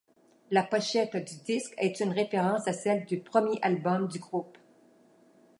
La pochette du disque est une référence à celle du premier album du groupe.